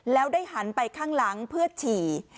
แล้วได้หันไปข้างหลังเพื่อฉี่